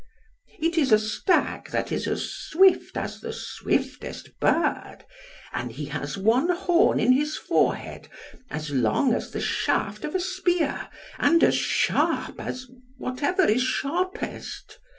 "It is a stag that is as swift as the swiftest bird; and he has one horn in his forehead, as long as the shaft of a spear and as sharp as whatever is sharpest.